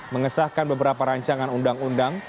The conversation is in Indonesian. mengesahkan beberapa rancangan undang undang